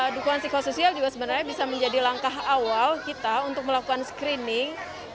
dukungan psikosoial juga sebenarnya bisa menjadi langkah awal kita untuk melakukan screening